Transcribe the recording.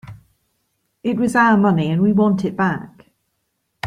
It was our money and we want it back.